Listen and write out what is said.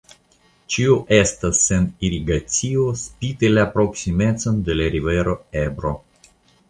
Ĉio estas sen irigacio spite la proksimecon de la rivero Ebro.